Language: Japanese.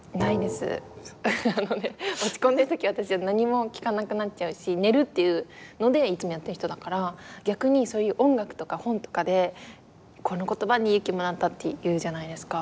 落ち込んでる時私は何も聞かなくなっちゃうし寝るっていうのでいつもやってる人だから逆にそういう音楽とか本とかでこの言葉に勇気もらったって言うじゃないですか。